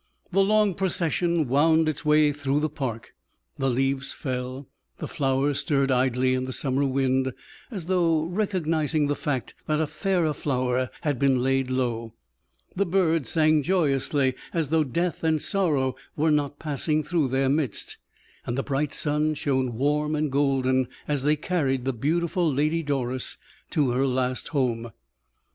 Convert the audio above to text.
The long procession wound its way through the park, the leaves fell, the flowers stirred idly in the summer wind, as though recognizing the fact that a fairer flower had been laid low; the birds sang joyously, as though death and sorrow were not passing through their midst, and the bright sun shone warm and golden as they carried the beautiful Lady Doris to her last home.